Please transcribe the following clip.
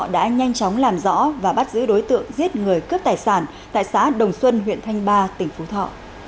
đã nhanh chóng làm rõ và bắt giữ đối tượng giết người cướp tài sản tại xã đồng xuân huyện thanh ba tỉnh phú thọ